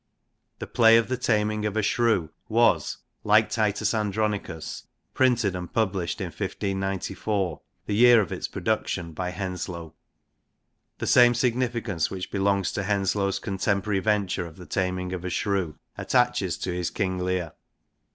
The play of The Tamynge of A Shrotue was, like Titus Andronicus, printed and published in 1594, the year of its production by Henslowe The same significance which belongs to Henslowe's con temporary venture of The Tamyinge of A Shroive, attaches to his Kinge Leare.